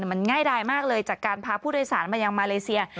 มันง่ายดายมากเลยจากการพาผู้โดยสารมายังมาเลเซีย